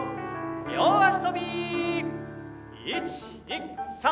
両足跳び。